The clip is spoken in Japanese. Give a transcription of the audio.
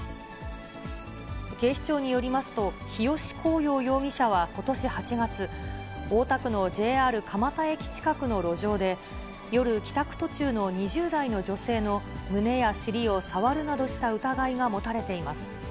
警視庁によりますと、日吉浩陽容疑者はことし８月、大田区のＪＲ蒲田駅近くの路上で、夜帰宅途中の２０代の女性の胸や尻を触るなどした疑いが持たれています。